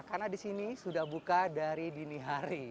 karena di sini sudah buka dari dini hari